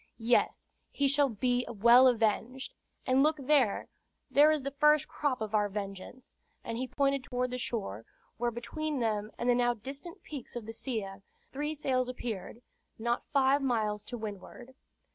"Yes, he shall be well avenged. And look there! There is the first crop of our vengeance." And he pointed toward the shore, where between them and the now distant peaks of the Silla three sails appeared, not five miles to windward.